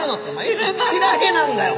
口だけなんだよ！